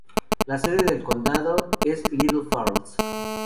La sede del condado es Little Falls.